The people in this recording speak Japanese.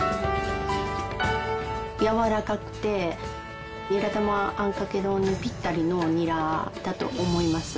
やわらかくてニラ玉あんかけ丼にぴったりのニラだと思います。